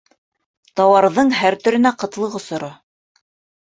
Тауарҙың һәр төрөнә ҡытлыҡ осор.